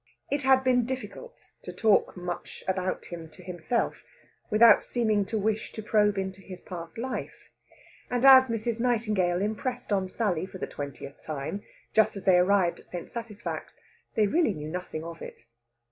It had been difficult to talk much about him to himself without seeming to wish to probe into his past life; and as Mrs. Nightingale impressed on Sally for the twentieth time, just as they arrived at St. Satisfax, they really knew nothing of it.